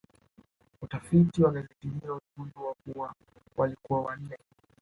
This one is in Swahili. Utafiti wa gazeti hilo uligundua kuwa walikuwa wanne